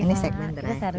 terima kasih ibu